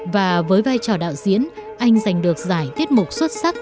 và với vai trò đạo diễn anh giành được giải tiết mục xuất sắc